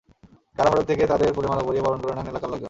কারা ফটক থেকে তাঁদের ফুলের মালা পরিয়ে বরণ করে নেন এলাকার লোকজন।